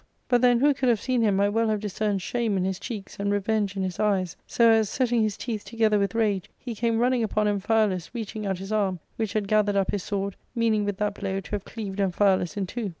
But then who could have seen him might well have discerned shame in his cheeks and revenge in his eyes, so as, setting his teeth together with rage, he came running upon Am phialus, reaching out his arm, which had gathered up his sword, meaning with that blow to have cleaved Amphialus in two.